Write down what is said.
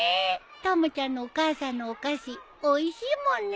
たまちゃんのお母さんのお菓子おいしいもんね。